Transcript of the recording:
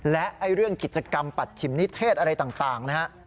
และเรื่องกิจกรรมปัดฉิมนิเทศอะไรต่างนะฮะ